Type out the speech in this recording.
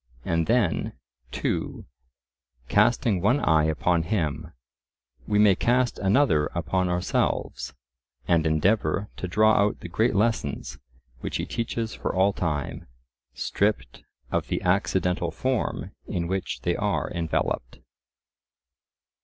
And then (2) casting one eye upon him, we may cast another upon ourselves, and endeavour to draw out the great lessons which he teaches for all time, stripped of the accidental form in which they are enveloped.